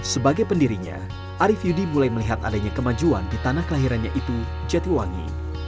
sebagai pendirinya arief yudi mulai melihat adanya kemajuan di tanah kelahirannya itu jatiwangi